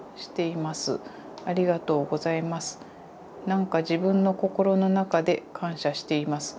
なんか自分の心の中で感謝しています。